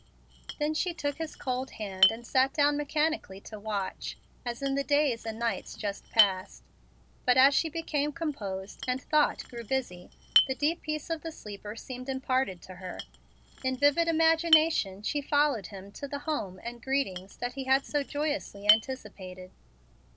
Then she took his cold hand, and sat down mechanically to watch, as in the days and nights just passed. But as she became composed and thought grew busy, the deep peace of the sleeper seemed imparted to her. In vivid imagination she followed him to the home and greetings that he had so joyously anticipated.